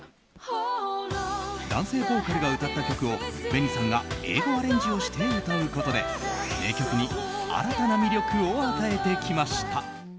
男性ボーカルが歌った曲をＢＥＮＩさんが英語アレンジをして歌うことで名曲に新たな魅力を与えてきました。